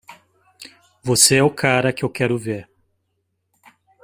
Você é o cara que eu quero ver.